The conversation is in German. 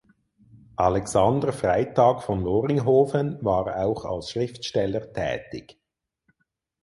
Alexander Freytag von Loringhoven war auch als Schriftsteller tätig.